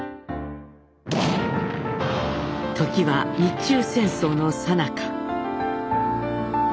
時は日中戦争のさなか。